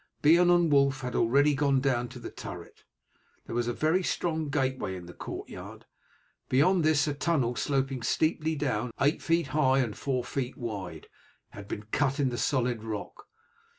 Beorn and Wulf had already gone down to the turret. There was a very strong gateway in the courtyard, beyond this a tunnel sloping steeply down, eight feet high and four feet wide, had been cut in the solid rock.